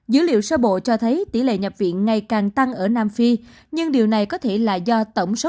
dữ liệu sơ bộ cho thấy tỷ lệ nhập viện ngày càng tăng ở nam phi nhưng điều này có thể là do tổng số